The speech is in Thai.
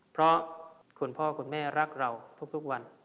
เพราะคุณพ่อคุณแม่รักเราทุกวัน